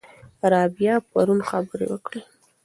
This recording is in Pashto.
رابعه پرون خبرې وکړې.